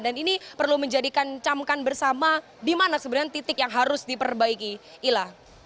dan ini perlu menjadikan camkan bersama di mana sebenarnya titik yang harus diperbaiki ila